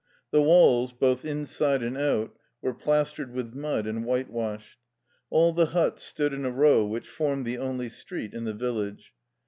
The walls, both inside and out, were plastered with mud and whitewashed. All the huts stood in a row which formed the only street in the village.